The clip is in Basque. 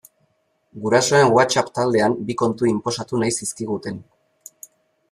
Gurasoen WhatsApp taldean bi kontu inposatu nahi zizkiguten.